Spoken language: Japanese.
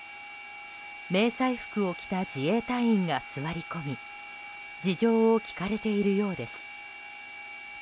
迷彩服を着た自衛隊員が座り込み事情を聴かれているようです。